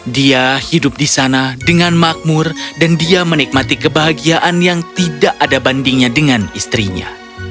dia hidup di sana dengan makmur dan dia menikmati kebahagiaan yang tidak ada bandingnya dengan istrinya